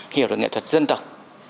hiểu về nghệ thuật dân tộc